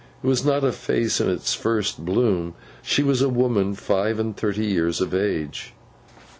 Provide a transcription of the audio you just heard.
It was not a face in its first bloom; she was a woman five and thirty years of age.